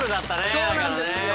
そうなんですよ。